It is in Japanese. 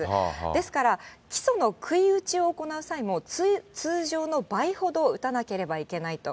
ですから、基礎のくい打ちを行う際も、通常の倍ほど打たなければいけないと。